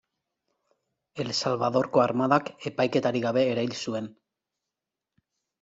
El Salvadorko Armadak epaiketarik gabe erail zuen.